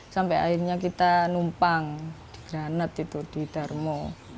sampai akhirnya kita numpang di granat itu di darmo